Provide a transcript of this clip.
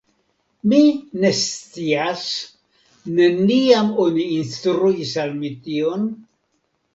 Mi ne scias; neniam oni instruis al mi tion?